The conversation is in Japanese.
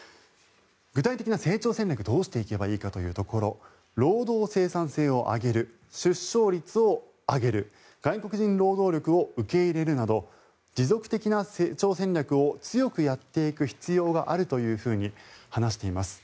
具体的な成長戦略をどうしていけばいいかというところ労働生産性を上げる出生率を上げる外国人労働力を受け入れるなど持続的な成長戦略を強くやっていく必要があると話しています。